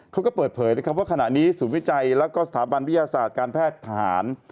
เขาก็เปิดเผยนะครับว่าขณะนี้ศูนย์วิจัยแล้วก็สถาบันวิทยาศาสตร์การแพทย์ทหาร